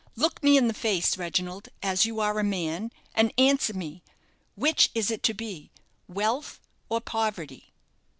Look me in the face, Reginald, as you are a man, and answer me, Which is it to be wealth or poverty?"